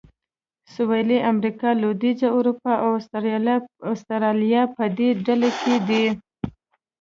سویلي امریکا، لوېدیځه اروپا او اسټرالیا په دې ډله کې دي.